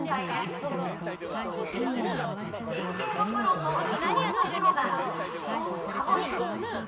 園芸のプロと料理のプロがシソを深掘り。